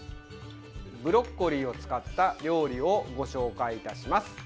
ブロッコリーを使った料理をご紹介いたします。